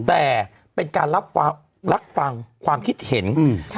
แต่เป็นการรับฟังความคิดเห็นอืม